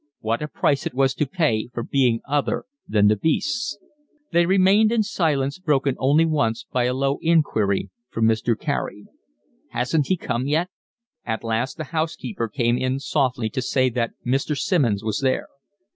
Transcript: What a price it was to pay for being other than the beasts! They remained in silence broken only once by a low inquiry from Mr. Carey. "Hasn't he come yet?" At last the housekeeper came in softly to say that Mr. Simmonds was there.